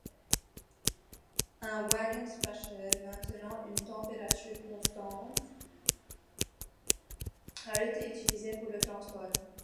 Un wagon spécial, maintenant une température constante, a été utilisé pour le transport.